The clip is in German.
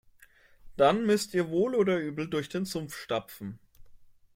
Dann müsst ihr wohl oder übel durch den Sumpf stapfen.